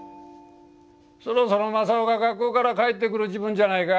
そろそろ正雄が学校から帰ってくる時分じゃないか？